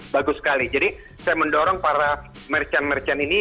bagus sekali jadi saya mendorong para merchant merchant ini